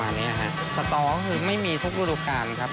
ำนับดอกสตอไม่มีทุกตุลุการ